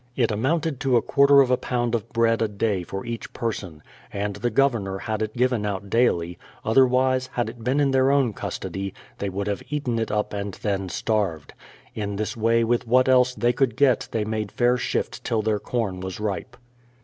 It amounted to a quarter of a pound of bread a day for each person ; and the Governor had it given out daily, otherwise,) had it been in their own custody, they would have eaten it up and then starved. In this way with what else they could get they made fair shift till their corn was ripe.